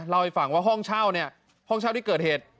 เล่าให้ฟังว่าห้องเช่าเนี่ยห้องเช่าที่เกิดเหตุ